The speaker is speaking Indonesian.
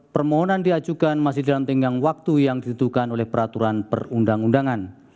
permohonan diajukan masih dalam tenggang waktu yang ditentukan oleh peraturan perundang undangan